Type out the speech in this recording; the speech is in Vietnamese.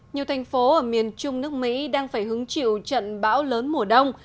nhiều thành phố ở miền trung nước mỹ đang phải hứng chịu trận bão lớn mùa đông